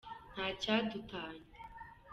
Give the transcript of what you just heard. N T A C Y A D U T A N Y A .